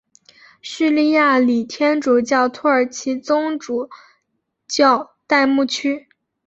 叙利亚礼天主教土耳其宗主教代牧区。